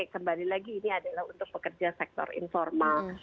kembali lagi ini adalah untuk pekerja sektor informal